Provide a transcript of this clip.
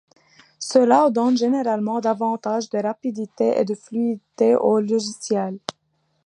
Cela donne généralement davantage de rapidité et de fluidité au logiciel.